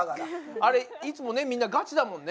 あれいつもねみんなガチだもんね？